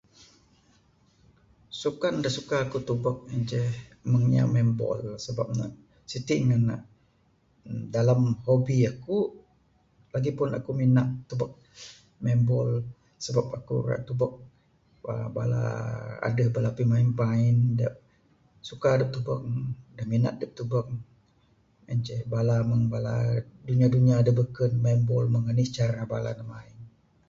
Sukan dak suka ku tebuk ceh mung inya main ball, sebab ne siti neng nek dalam hobi aku lagipun aku minat tebuk main ball sebab aku ira tebuk aaa bala adeh pemain-main dak suka dep tebuk dak minat dep tebuk en ceh bala mung bala dunia-dunia dak beken main ball mung nih cara bala ne main.